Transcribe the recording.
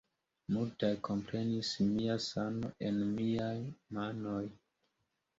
Multaj komprenis mia sano en miaj manoj!